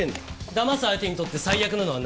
騙す相手にとって最悪なのはなんだ？